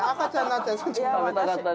「食べたかったね」